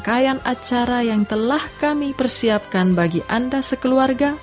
dan rangkaian acara yang telah kami persiapkan bagi anda sekeluarga